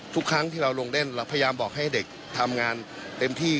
ทุกครั้งที่เราลงเล่นเราพยายามบอกให้เด็กทำงานเต็มที่